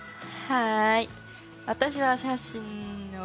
はい。